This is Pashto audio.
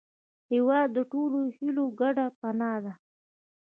هېواد د ټولو هیلو ګډه پناه ده.